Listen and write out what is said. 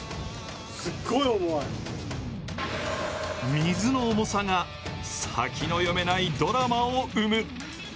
水の重さが先の読めないドラマを生む。